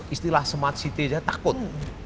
istilah smart city aja takut